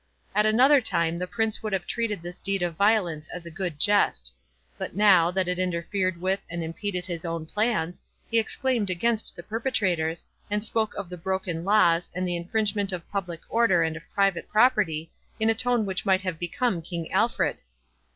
At another time the Prince would have treated this deed of violence as a good jest; but now, that it interfered with and impeded his own plans, he exclaimed against the perpetrators, and spoke of the broken laws, and the infringement of public order and of private property, in a tone which might have become King Alfred.